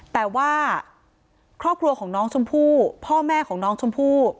แต่ว่าครอบครัวของน้องชมพู่พ่อแม่ของน้องชมพู่